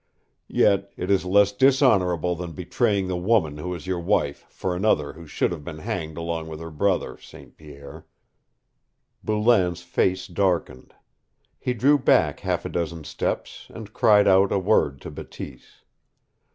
"Yet it is less dishonorable than betraying the woman who is your wife for another who should have been hanged along with her brother, St. Pierre." Boulain's face darkened. He drew back half a dozen steps and cried out a word to Bateese.